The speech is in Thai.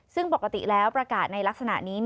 ซึ่งปกติแล้วประกาศในลักษณะนี้